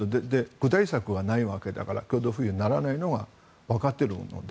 具体策はないわけだから共同富裕にならないのは分かっているので。